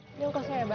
stop ya bang